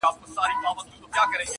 د درد پېټی دي را نیم کړه چي یې واخلم.